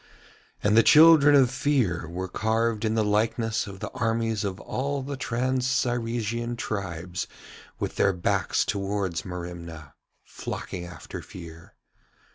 And the children of Fear were carved in the likeness of the armies of all the trans Cyresian tribes with their backs towards Merimna, flocking after Fear.